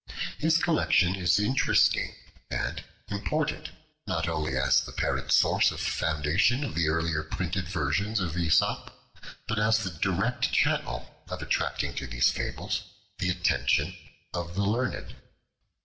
His collection is interesting and important, not only as the parent source or foundation of the earlier printed versions of Aesop, but as the direct channel of attracting to these fables the attention of the learned.